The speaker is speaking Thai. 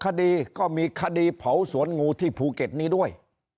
คดีก็มีคดีเผาสวนงูที่ภูเก็ตนี้ด้วย